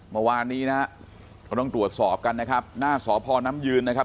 เมื่อวานนี้นะฮะเราต้องตรวจสอบกันนะครับหน้าสพน้ำยืนนะครับ